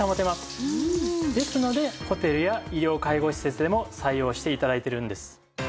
ですのでホテルや医療介護施設でも採用して頂いているんです。